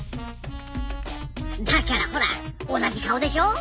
だからほら同じ顔でしょ。